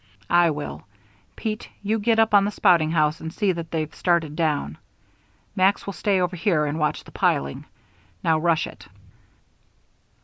"I will. Pete, you get up on the spouting house and see that they're started down. Max will stay over here and watch the piling. Now rush it."